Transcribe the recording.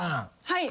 はい。